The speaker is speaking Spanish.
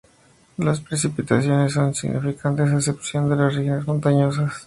Las precipitaciones son insignificantes, a excepción de las regiones montañosas.